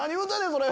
それ！